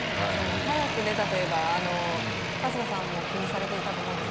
早く出たといえば春日さんも気にされていたと思うんですけど。